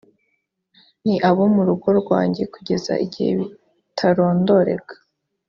ni abo mu rugo rwanjye kugeza ibihe bitarondoreka